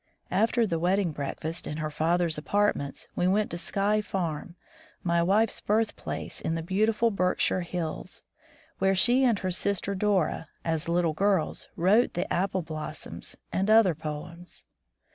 After the wedding breakfast in her father's apartments, we went to "Sky Farm," my wife's birth place in the beautiful Berkshire hills, where she and her sister Dora, as little girls, wrote the "Apple Blossoms" and other poems.